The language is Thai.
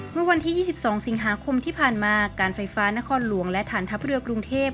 เมื่อวันที่๒๒สิงหาคมที่ผ่านมาการไฟฟ้านครหลวงและฐานทัพเรือกรุงเทพ